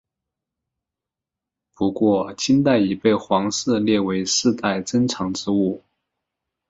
不过在清代已被皇室列为世代珍藏之物。